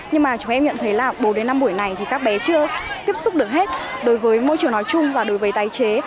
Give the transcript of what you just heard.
nhưng mà chúng em nhận thấy là bốn đến năm buổi này thì các bé chưa tiếp xúc được hết đối với môi trường nói chung và đối với tái chế